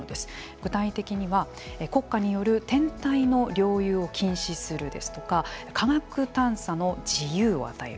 具体的には国家による天体の領有を禁止するですとか科学探査の自由を与える